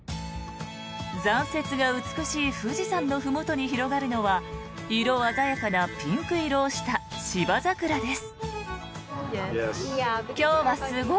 残雪が美しい富士山のふもとに広がるのは色鮮やかなピンク色をしたシバザクラです。